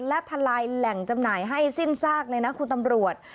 และทลายแหล่งจำหน่ายให้สิ้นซากเลยนะคุณตำรวจ